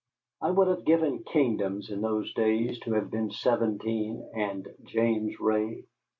I would have given kingdoms in those days to have been seventeen and James Ray.